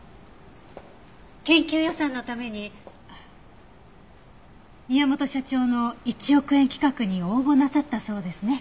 研究予算のために宮本社長の一億円企画に応募なさったそうですね。